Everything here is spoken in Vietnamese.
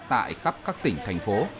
tại khắp các tỉnh thành phố